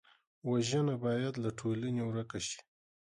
وژنه باید له ټولنې ورک شي